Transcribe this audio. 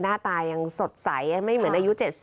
หน้าตายังสดใสไม่เหมือนอายุ๗๐